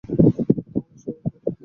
অথচ স্বাভাবিকভাবেই আমরা হাত-পা নাড়ি।